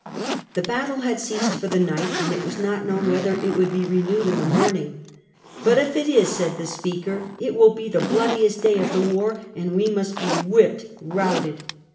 The battle had ceased for the night, and it was not known whether it would be renewed in the morning. "But if it is," said the speaker, "it will be the bloodiest day of the war, and we must be whipped, routed.